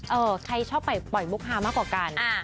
ใครชอบปล่อยมุกฮามากกว่ากัน